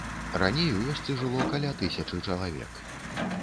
Раней у вёсцы жыло каля тысячы чалавек.